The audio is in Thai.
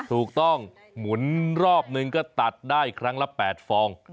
ถูกต้องหมุนรอบหนึ่งก็ตัดได้ครั้งละ๘ฟอง